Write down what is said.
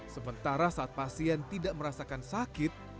sementara saat pasien tidak merasakan sakit